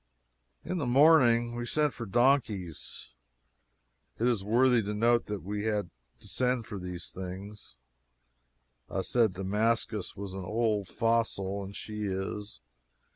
In the morning we sent for donkeys. It is worthy of note that we had to send for these things. I said Damascus was an old fossil, and she is.